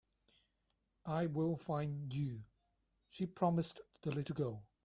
"I will find you.", she promised the little girl.